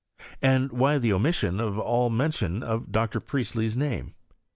AnQwhy the omission of all men tion of Dr. Priestley's name?